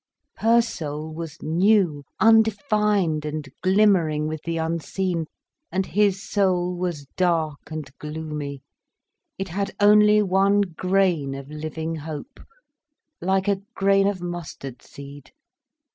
Her soul was new, undefined and glimmering with the unseen. And his soul was dark and gloomy, it had only one grain of living hope, like a grain of mustard seed.